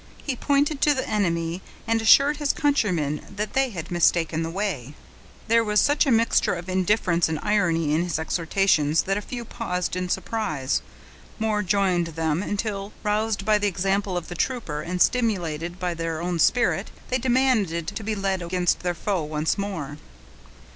He pointed to the enemy, and assured his countrymen that they had mistaken the way. There was such a mixture of indifference and irony in his exhortations that a few paused in surprise—more joined them, until, roused by the example of the trooper, and stimulated by their own spirit, they demanded to be led against their foe once more.